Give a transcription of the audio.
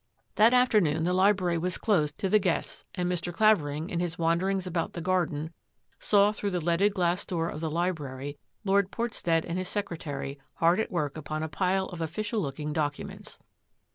That afternoon the library was closed to the guests, and Mr. Clavering, in his wanderings about the garden, saw, through the leaded glass door of the library. Lord Portstead and his secretary hard at work upon a pile of official looking docu ments.